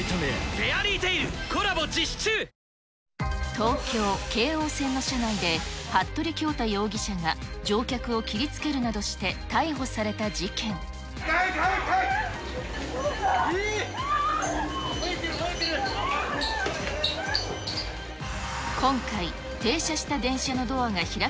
東京、京王線の車内で服部恭太容疑者が乗客を切りつけるなどして逮捕さ早く、早く早く。